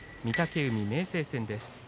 御嶽海、明生戦です。